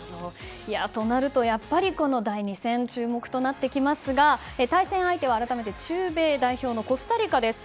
となると、やっぱり第２戦が注目となってきますが対戦相手は中米代表のコスタリカです。